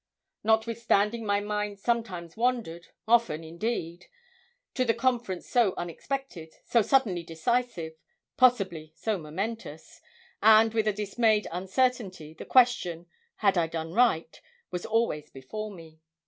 Notwithstanding my mind sometimes wandered, often indeed, to the conference so unexpected, so suddenly decisive, possibly so momentous; and with a dismayed uncertainly, the question had I done right? was always before me.